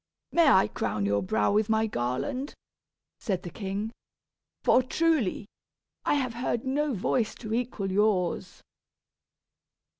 "May I crown your brow with my garland?" said the king. "For truly, I have heard no voice to equal yours."